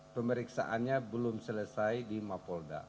pemeriksaannya belum selesai di mapolda